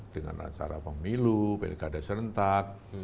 dengan acara pemilu pilkada serentak